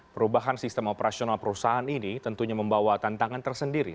perubahan sistem operasional perusahaan ini tentunya membawa tantangan tersendiri